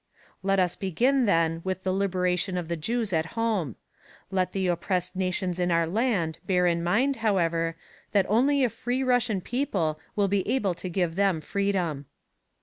Let us begin then with the liberation of the Jews at home. Let the oppressed nations in our land bear in mind, however, that only a free Russian people will be able to give them freedom.